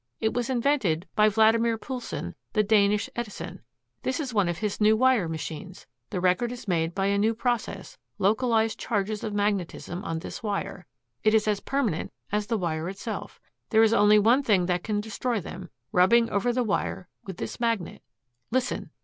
It was invented by Valdemar Poulsen, the Danish Edison. This is one of his new wire machines. The record is made by a new process, localized charges of magnetism on this wire. It is as permanent as the wire itself. There is only one thing that can destroy them rubbing over the wire with this magnet. Listen."